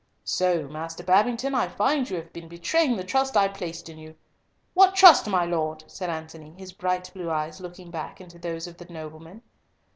"So, Master Babington, I find you have been betraying the trust I placed in you—" "What, trust, my Lord?" said Antony, his bright blue eyes looking back into those of the nobleman.